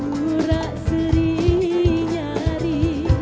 urak seri nyari